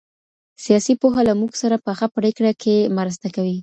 سياسي پوهه له موږ سره په ښه پرېکړه کي مرسته کوي.